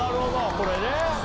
これね。